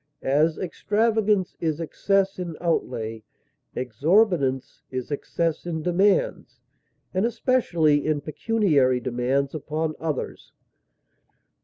As extravagance is excess in outlay, exorbitance is excess in demands, and especially in pecuniary demands upon others.